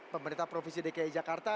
pemerintah provinsi dki jakarta